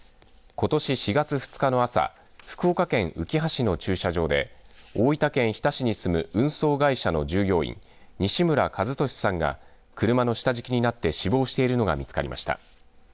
ことし４月２日の朝福岡県うきは市の駐車場で大分県日田市に住む運送会社の従業員西村一敏さんが車の下敷きになって死亡しているのが見つかりました。